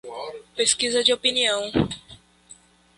Pesquisa de opinião